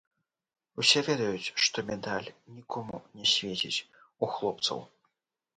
Усе ведаюць, што медаль нікому не свеціць у хлопцаў.